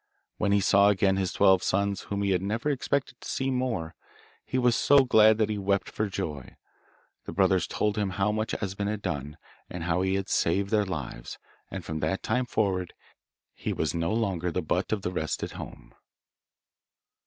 When he saw again his twelve sons, whom he had never expected to see more, he was so glad that he wept for joy. The brothers told him how much Esben had done, and how he had saved their lives, and from that time forward he was no longer the butt of the rest at home.